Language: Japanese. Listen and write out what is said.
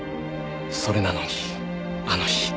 それなのにあの日。